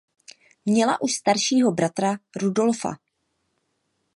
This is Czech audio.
Měla už staršího bratra Rudolfa.